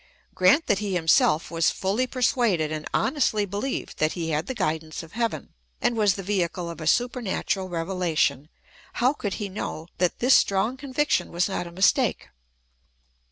Grant that he himself was fully per suaded and honestly believed that he had the guidance of heaven, and was the vehicle of a supernatural reve lation, how could he know that this strong conviction was not a mistake